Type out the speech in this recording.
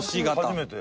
初めて。